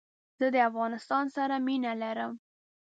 زه دافغانستان سره مينه لرم